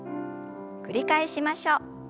繰り返しましょう。